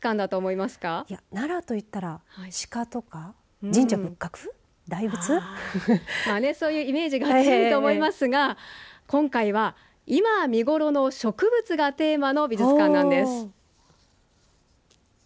いや、奈良と言ったら鹿とか神社仏閣大仏そういうイメージがあると思いますが今回は、今、見頃の植物がテーマの美術館なんです。